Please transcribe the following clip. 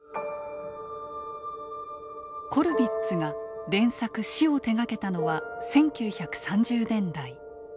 コルヴィッツが連作「死」を手がけたのは１９３０年代。